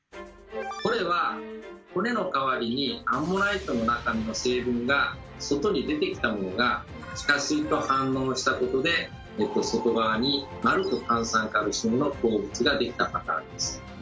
これは骨の代わりにアンモナイトの中の成分が外に出てきたものが地下水と反応したことで外側に丸く炭酸カルシウムの鉱物ができたパターンです。